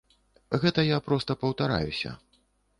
Гэта я проста паўтараюся.